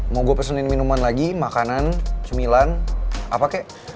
mau gue pesenin minuman lagi makanan cemilan apa kek